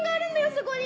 そこに。